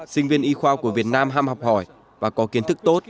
sinh viên y khoa của việt nam ham học hỏi và có kiến thức tốt